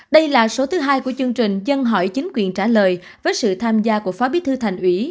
đây là số thứ hai của chương trình dân hỏi chính quyền trả lời với sự tham gia của phó bí thư thành ủy